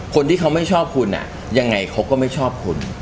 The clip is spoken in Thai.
คนที่เขาไม่ชอบคุณยังไงเขาก็ไม่ชอบคุณ